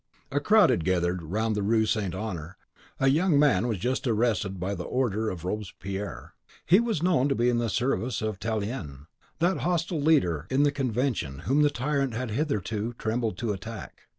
.... A crowd had gathered round the Rue St. Honore; a young man was just arrested by the order of Robespierre. He was known to be in the service of Tallien, that hostile leader in the Convention, whom the tyrant had hitherto trembled to attack.